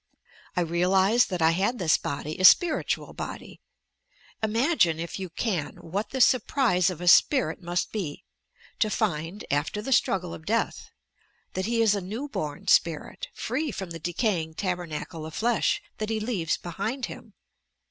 I realized that I had this body — a spiritual body. ... Imagine, if you can, what the surprise of a spirit must be, to find, after the struggle of death, that , he is a new born spirit, free from the decaying taber nacle of flesh, that he leaves behind him.